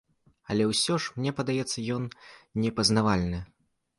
Але ўсё ж, мне падаецца, ён непазнавальны.